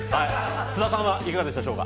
津田さんはいかがでしたでしょうか。